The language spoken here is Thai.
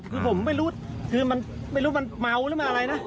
คือผมไม่รู้คือมันไม่รู้มันเมาหรือมันอะไรนะ